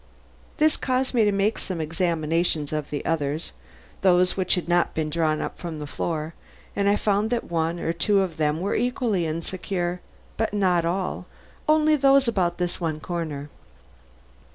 This caused me to make some examination of the others, those which had not been drawn from the floor, and I found that one or two of them were equally insecure, but not all; only those about this one corner.